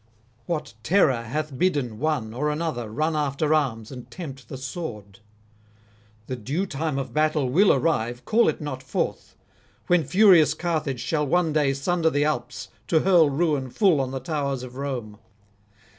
What terror hath bidden one or another run after arms and tempt the sword? The due time of battle will arrive, call it not forth, when furious Carthage shall one day sunder the Alps to hurl ruin full on the towers of Rome.